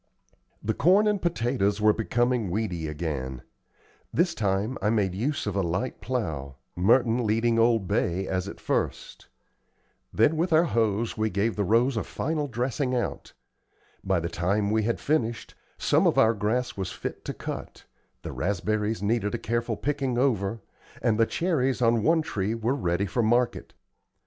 The corn and potatoes were becoming weedy again. This time I made use of a light plow, Merton leading old Bay as at first. Then, with our hoes, we gave the rows a final dressing out. By the time we had finished, some of our grass was fit to cut, the raspberries needed a careful picking over, and the cherries on one tree were ready for market.